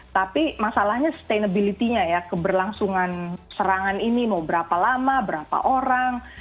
tapi masalahnya sustainability nya ya keberlangsungan serangan ini mau berapa lama berapa orang